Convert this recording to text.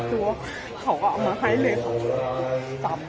หนูอ่ะพ่อขอโชคขอเจ้าขอบัญญาณขอให้ลูกข้าลูกสามตัว